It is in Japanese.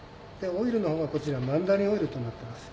オイルの方がこちらマンダリンオイルとなってます。